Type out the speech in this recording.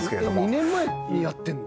２年前にやってんの？